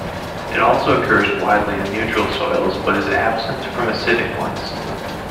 It also occurs widely on neutral soils, but is absent from acidic ones.